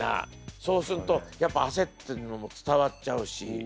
そうするとやっぱ焦ってるのも伝わっちゃうし。